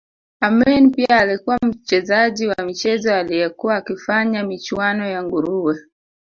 Amin pia alikuwa mchezaji wa michezo aliyekuwa akifanya michuano ya nguruwe